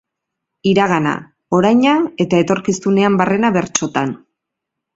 Iragana, oraina eta etorkizunean barrena bertsotan.